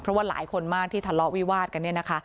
เพราะว่าหลายคนมากที่ทะเลาะวิวาดกันเนี่ยนะคะ